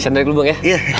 saya ambil dulu bang ya